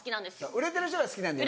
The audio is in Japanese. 売れてる人が好きなんだよな。